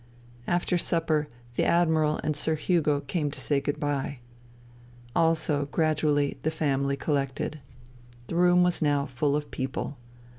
After supper the Admiral and Sir Hugo came to say good bye. Also, gradually, the family collected. The room was now full of people.